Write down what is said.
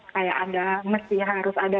kayak ada mesti harus ada